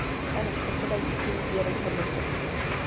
Pane předsedající, je rozhodnuto.